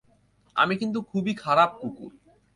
আমি কিন্তু খুবই খারাপ কুকুর।